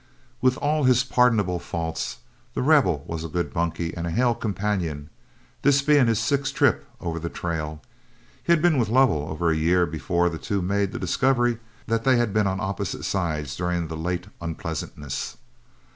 With all his pardonable faults, The Rebel was a good bunkie and a hail companion, this being his sixth trip over the trail. He had been with Lovell over a year before the two made the discovery that they had been on opposite sides during the "late unpleasantness."